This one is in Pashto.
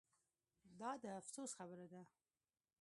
دا د افسوس خبره ده